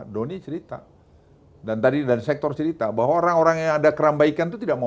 doni cerita dan tadi dari sektor cerita bahwa orang orang yang ada kerambaikan itu tidak mau